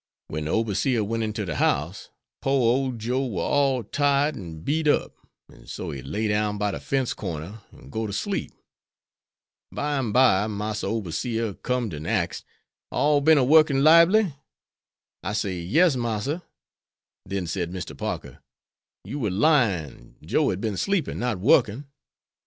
When de oberseer went inter de house, pore old Joe war all tired an' beat up, an' so he lay down by de fence corner and go ter sleep. Bimeby Massa oberseer com'd an' axed, "all bin a workin' libely?" I say "Yes, Massa."' Then said Mr. Parker, 'You were lying, Joe had been sleeping, not working.'